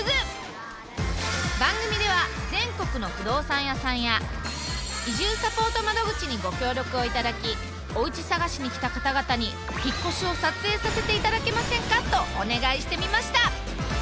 番組では全国の不動産屋さんや移住サポート窓口にご協力をいただきおうち探しに来た方々に「引っ越しを撮影させていただけませんか？」とお願いしてみました。